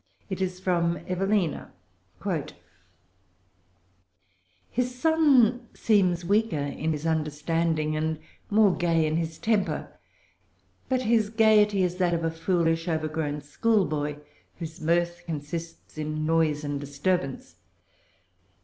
It is from Evelina:— "His son seems weaker in his understanding, and more gay in his temper; but his gayety is that of a foolish overgrown schoolboy, whose mirth consists in noise and disturbance.